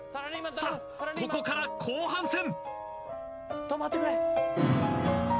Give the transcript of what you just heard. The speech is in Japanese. さあここから後半戦。